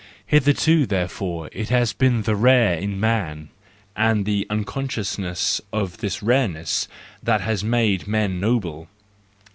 Hitherto, therefore, it has been the rare in man, and the unconsciousness of this rareness, that has made men noble.